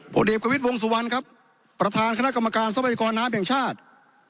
เอกประวิทย์วงสุวรรณครับประธานคณะกรรมการทรัพยากรน้ำแห่งชาติ